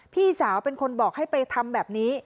พี่สาวเป็นคนบอกให้ไปทำแบบนี้